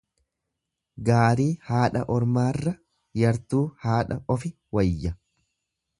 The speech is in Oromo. Gaarii haadha ormaarra yartuu haadha ofi wayya.